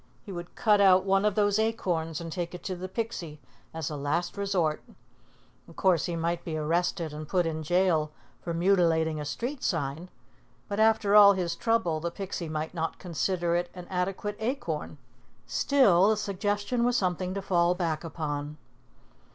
He would cut out one of those acorns and take it to the Pixie as a last resort. Of course, he might be arrested and put in jail for mutilating a street sign; and after all his trouble, the Pixie might not consider it an adequate acorn; still the suggestion was something to fall back upon.